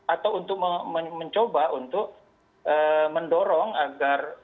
atau untuk mencoba untuk mendorong agar